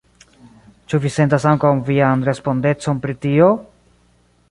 Ĉu vi sentas ankaŭ vian respondecon pri tio?